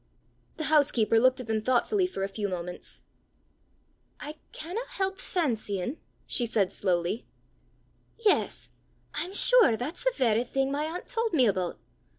The housekeeper looked at them thoughtfully for a few moments. "I canna help fancyin'," she said slowly, " yes, I'm sure that's the varra thing my aunt told me aboot!